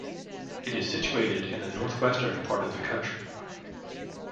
It is situated in the northwestern part of the country.